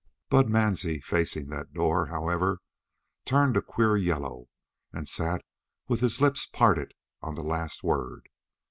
Bud Mansie, facing that door, however, turned a queer yellow and sat with his lips parted on the last word.